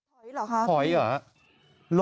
หอยเหรอคะหอยเหรอ